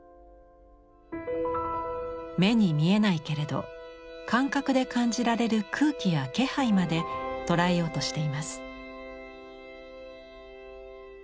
目に見えないけれど感覚で感じられる空気や気配まで捉えようとしています。